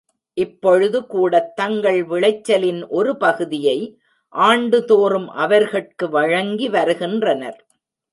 இப்பொழுது கூடத் தங்கள் விளைச்சலின் ஒருபகுதியை ஆண்டுதோறும் அவர்கட்கு வழங்கி வருகின்றனர்.